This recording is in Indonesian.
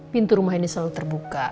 pintu rumah ini selalu terbuka